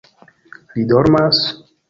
Li dormas?